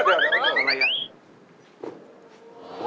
เฉยเข้านั่งก่อน